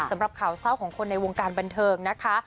สำหรับข่าวเศร้าของคนในวงการบันเทิงนะคะ